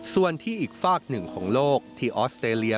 ส่วนที่อีกฝากหนึ่งของโลกที่ออสเตรเลีย